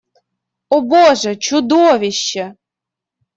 О боже, чудовище!